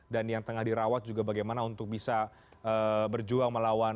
dan yang tengah dirawat juga bagaimana untuk bisa berjuang melawan